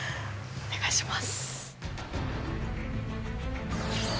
お願いします